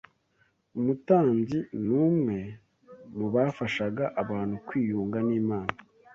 Umutambyi numwe mubafashaga abantu kwiyunga n’Imana